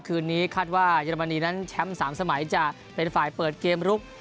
คืนนี้คาดว่าเยอรมนีนั้นแชมป์๓สมัยจะเป็นฝ่ายเปิดเกมลุก